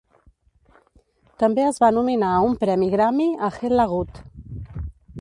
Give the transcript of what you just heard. També es va nominar un premi Grammy a "Hella Good" .